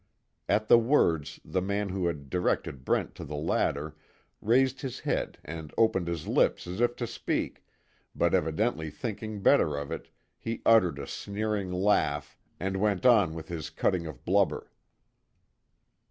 At the words, the man who had directed Brent to the ladder, raised his head and opened his lips as if to speak, but evidently thinking better of it, he uttered a sneering laugh, and went on with his cutting of blubber.